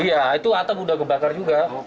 iya itu atap udah kebakar juga